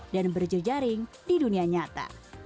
dan berjejaring di dunia nyata